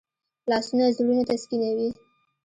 لاسونه زړونه تسکینوي